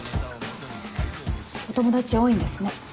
お友達多いんですね。